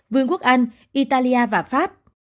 vương quốc anh italia và pháp